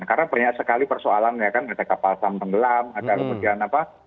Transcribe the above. karena banyak sekali persoalan ya kan ada kapal sang penggelam ada kebagian apa